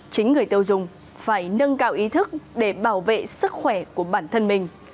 chính người tiêu dùng phải nâng cao ý thức để bảo vệ sức khỏe của bản thân mình